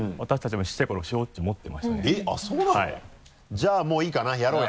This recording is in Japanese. じゃあもういいかなやろうや！